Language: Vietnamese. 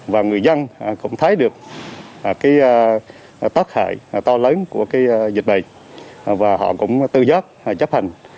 và người dân cũng thấy được tác hại to lớn của dịch bệnh và họ cũng tư giác chấp hành